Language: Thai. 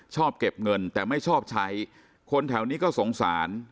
ชอบเก็บเงินแต่ไม่ชอบใช้คนแถวนี้ก็สงสาร